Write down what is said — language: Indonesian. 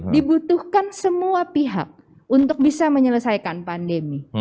dibutuhkan semua pihak untuk bisa menyelesaikan pandemi